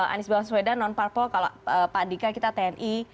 anies baswedan non parpol kalau pak andika kita tni